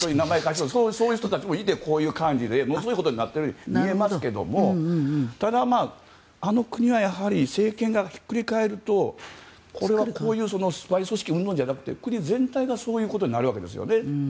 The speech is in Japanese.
そういう人たちもいてこういう感じでものすごいことになっているように見えますがただ、あの国はやはり政権がひっくり返るとこういうスパイ組織うんぬんじゃなくて国全体がそういうことになるわけですよね。